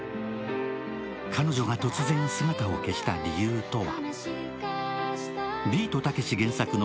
彼女が突然、姿を消した理由とは。